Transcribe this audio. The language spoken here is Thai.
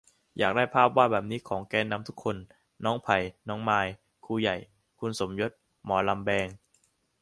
อยากได้ภาพวาดแบบนี้ของแกนนำทุกคน น้องไผ่ น้องไมร์ ครูใหญ่ คุณสมยศ หมอลำแบง